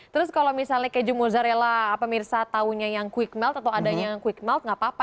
terus kalau misalnya keju mozzarella pemirsa taunya yang quick melt atau adanya yang quick not gak apa apa